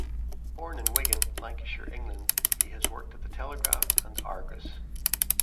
Born in Wigan, Lancashire, England, he has worked at the Telegraph and Argus.